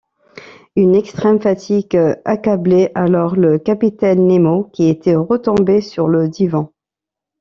Une extrême fatigue accablait alors le capitaine Nemo, qui était retombé sur le divan